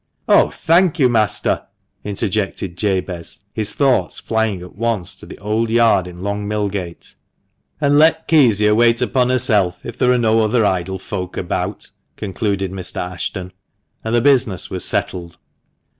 " Oh, thank you, master !" interjected Jabez, his thoughts flying at once to the old yard in Long Millgate. "And let Kezia wait upon herself if there are no other idle folk about;" concluded Mr. Ashton, and the business was settled.